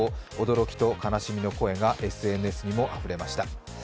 驚きと悲しみの声がＳＮＳにもあふれました。